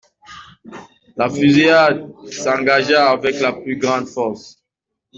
La fusillade s'engagea avec la plus grande force.